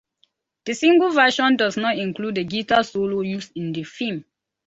The single version does not include the guitar solo used in the film.